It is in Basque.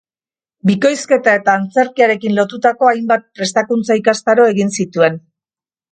Bikoizketa eta antzerkiarekin lotutako hainbat prestakuntza-ikastaro egin zituen.